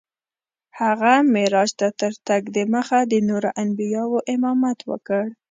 هغه معراج ته تر تګ دمخه د نورو انبیاوو امامت وکړ.